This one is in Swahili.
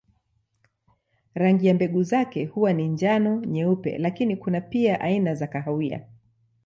Rangi ya mbegu zake huwa ni njano, nyeupe lakini kuna pia aina za kahawia.